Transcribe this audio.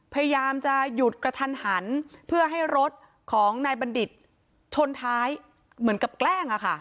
พยายามจะหยุดกระทันหันเพื่อให้รถของนายบัณฑิตชนท้ายเหมือนกับแกล้งอะค่ะ